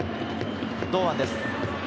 堂安です。